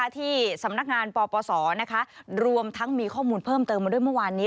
ที่สำนักงานปปศรวมทั้งมีข้อมูลเพิ่มเติมมาด้วยเมื่อวานนี้